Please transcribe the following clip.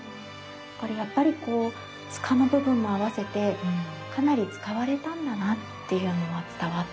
これやっぱりこう柄の部分も合わせてかなり使われたんだなっていうのは伝わってきますよね。